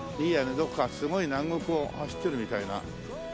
どこかすごい南国を走ってるみたいな。